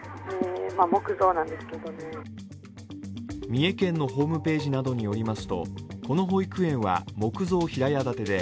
三重県のホームページなどによりますと、この保育園は木造平屋建てで、